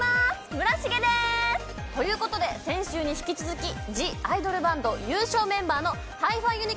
村重ですということで先週に引き続きＴＨＥＩＤＯＬＢＡＮＤ優勝メンバーのＨｉ−ＦｉＵｎ！